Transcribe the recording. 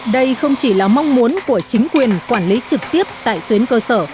đây không chỉ là mong muốn của chính quyền quản lý trực tiếp tại tuyến cơ sở